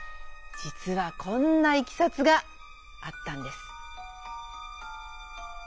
じつはこんないきさつがあったんです。